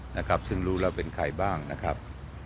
นะครับซึ่งรู้แล้วเป็นใครบ้างนะครับ